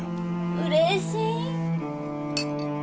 うれしい！